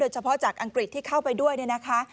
โดยเฉพาะจากอังกฤษที่เข้าไปด้วยนะคะ